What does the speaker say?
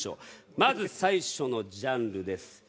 まず最初のジャンルです。